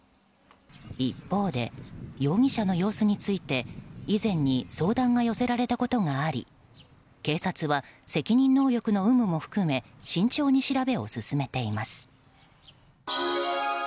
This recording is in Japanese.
一方で、容疑者の様子について以前に相談が寄せられたことがあり警察は責任能力の有無も含め慎重に調べを進めています。